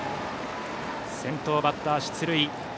先頭バッター出塁。